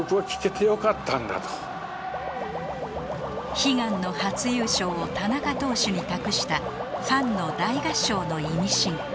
悲願の初優勝を田中投手に託したファンの大合唱のイミシン